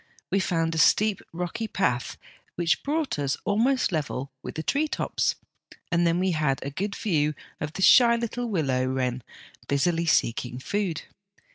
We found a steep, rocky path which brought us almost level with the tree tops, and then we had a good view of the shy little willow wren busily seeking food.